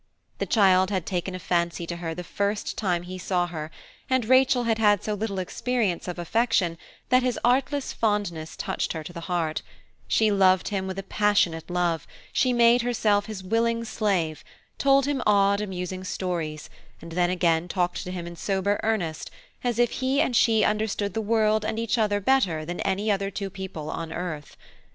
The child had taken a fancy to her the first time he saw her, and Rachel had had so little experience of affection that his artless fondness touched her to the heart; she loved him with a passionate love, she made herself his willing slave, told him odd amusing stories, and then again talked to him in sober earnest, as if he and she understood the world and each other better than any other two people on earth.